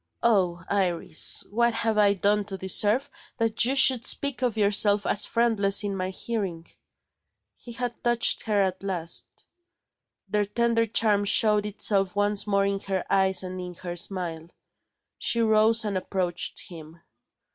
Oh, Iris, what have I done to deserve that you should speak of yourself as friendless in my hearing!" He had touched her at last. Their tender charm showed itself once more in her eyes and in her smile. She rose and approached him.